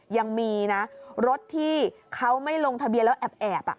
ยังมีนะรถที่เขาไม่ลงทะเบียนแล้วแอบ